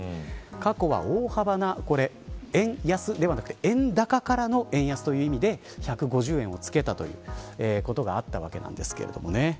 過去は、大幅な円安ではなくて円高からの円安という意味で１５０円をつけたということがあったわけです。